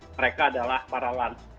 mereka adalah para warga